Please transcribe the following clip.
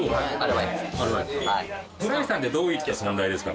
櫻井さんってどういった存在ですか？